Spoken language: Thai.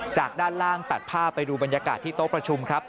ด้านล่างตัดภาพไปดูบรรยากาศที่โต๊ะประชุมครับ